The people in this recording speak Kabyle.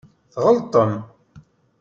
Tɣelṭem.